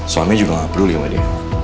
suamanya juga gak peduli sama dia